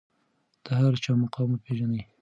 د هر چا مقام وپیژنئ.